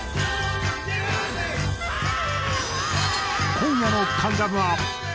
今夜の『関ジャム』は。